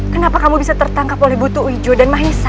kenapa kamu bisa tertangkap oleh butuh uijo dan mahisa